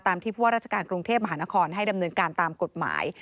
ที่ผู้ว่าราชการกรุงเทพมหานครให้ดำเนินการตามกฎหมาย